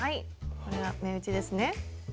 これは目打ちですね。